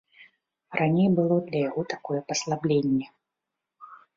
Раней было для яго такое паслабленне.